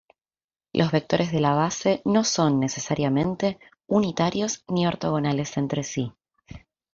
Los vectores de la base no son, necesariamente, unitarios ni ortogonales entre sí.